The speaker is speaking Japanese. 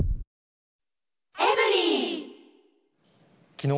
きのう